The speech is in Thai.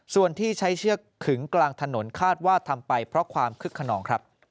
ส่วนที่ใช้เชือกขึงกลางถนนคาดว่าทำไปเพราะความคึกขนองครับ